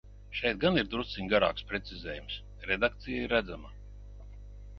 Šeit gan ir drusciņ garāks precizējums, redakcija ir redzama.